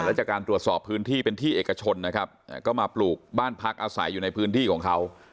แล้วจากการตรวจสอบพื้นที่เป็นที่เอกชนนะครับก็มาปลูกบ้านพักอาศัยอยู่ในพื้นที่ของเขา